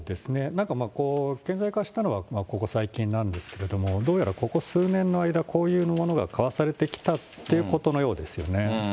なんか顕在化したのはここ最近なんですけれども、どうやらここ数年の間、こういうものが交わされてきたということのようですよね。